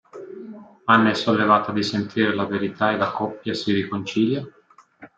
Anna è sollevata di sentire la verità e la coppia si riconcilia.